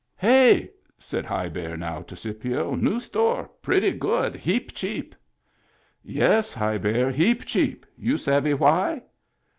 " Hey I " said High Bear now, to Scipio. " New store. Pretty good. Heap cheap." "Yes, High Bear. Heap cheap. You savvy why?"